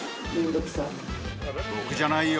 僕じゃないよ。